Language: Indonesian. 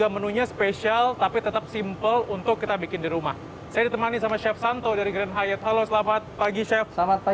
menu sarapan apa chef